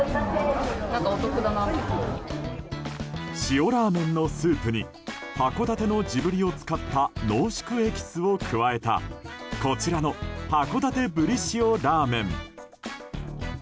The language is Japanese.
塩ラーメンのスープに函館の地鶏を使った濃縮エキスを加えたこちらの函館ブリ塩ラーメン。